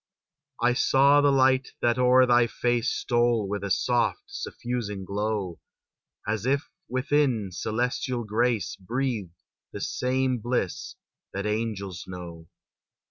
I saw the light that o'er thy face Stole with a soft, suffusing glow, As if, within, celestial grace Breathed the same bliss that angels know.